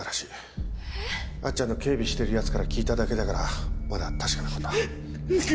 えっ。あっちゃんの警備してるヤツから聞いただけだからまだ確かなことは。